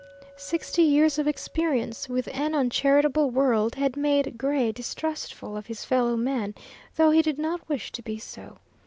Sixty years of experience with an uncharitable world had made Gray distrustful of his fellow man, though he did not wish to be so.